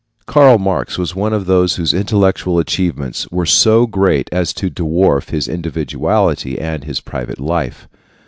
Karl Marx was one of those whose intellectual achievements were so great as to dwarf his individuality and his private life.